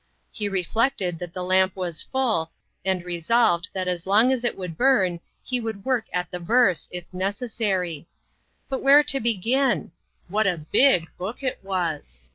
He reflected that the lamp was full, and resolved that as long as it would burn he would work at the verse, if neces sary. But where to begin ? What a big book it was